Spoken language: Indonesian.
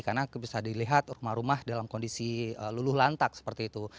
karena bisa dilihat rumah rumah dalam kondisi luluh lantak seperti itu